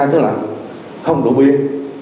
tức là không đủ biên